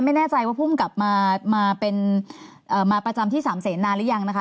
เข้าใจครับพูดถึงกลับมาประจำที่สามเศสนานหรือยังนะคะ